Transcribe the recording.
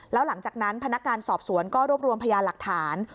แล้วหลังจากนั้นพนักงานสอบสวนก็รวบรวมพยานหลักฐาน